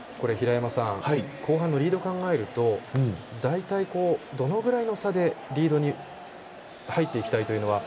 後半のリードを考えると大体、どれぐらいの差でリードに入っていきたいというのは。